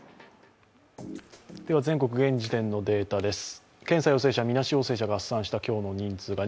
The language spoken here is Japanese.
全国現時点のデータです。